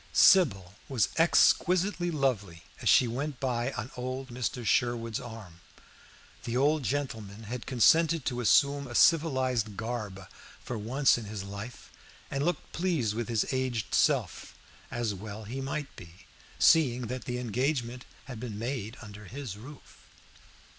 Sybil was exquisitely lovely as she went by on old Mr. Sherwood's arm. The old gentleman had consented to assume a civilized garb for once in his life, and looked pleased with his aged self, as well he might be, seeing that the engagement had been made under his roof.